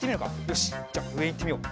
よしじゃあうえいってみよう。